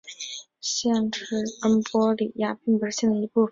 县治恩波里亚并不是县的一部分。